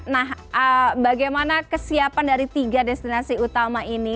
nah bagaimana kesiapan dari tiga destinasi utama ini